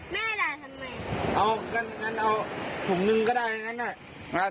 ไม่ได้ทำไมเอาถุงหนึ่งก็ได้